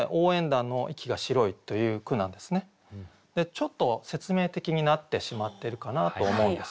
ちょっと説明的になってしまってるかなと思うんです。